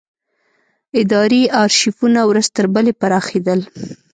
اداري ارشیفونه ورځ تر بلې پراخېدل.